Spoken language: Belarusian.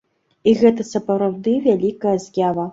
І гэта сапраўды вялікая з'ява.